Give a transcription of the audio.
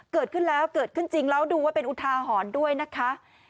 เกิดขึ้นแล้วเกิดขึ้นจริงแล้วดูว่าเป็นอุทาหรณ์ด้วยนะคะ